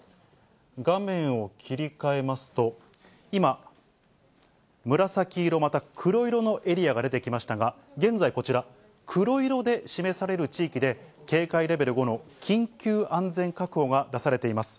画面を切り替えますと、今、紫色、また黒色のエリアが出てきましたが、現在、こちら、黒色で示される地域で、警戒レベル５の緊急安全確保が出されています。